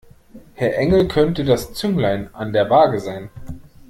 Herr Engel könnte das Zünglein an der Waage sein.